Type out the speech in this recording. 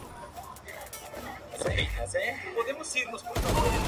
Ese mismo año, el equipo descendió a la segunda división.